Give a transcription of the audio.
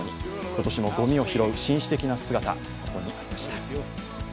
今年もごみを拾う紳士的な姿、ここにありました。